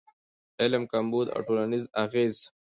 علم کمبود او ټولنیز اغېز